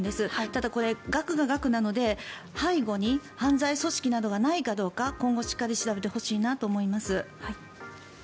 ただ、額が額なので背後に犯罪組織がないかどうか今後、しっかり調べてほしいなと思います。